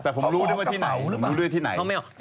แต่ผมรู้ด้วยที่ไหน